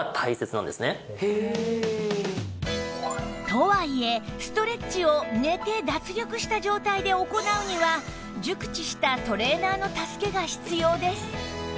とはいえストレッチを寝て脱力した状態で行うには熟知したトレーナーの助けが必要です